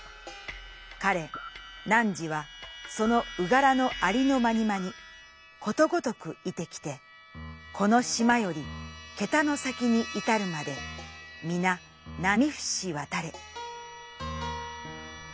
かれ汝はその族のありのまにまにことごとく率て来てこの島より気多の前にいたるまでみな列みふしわたれ」。